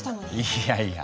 いやいや。